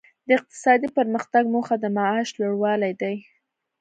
د اقتصادي پرمختګ موخه د معاش لوړوالی دی.